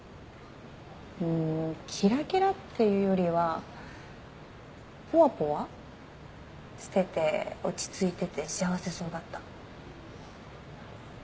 うんキラキラっていうよりはぽわぽわしてて落ち着いてて幸せそうだった。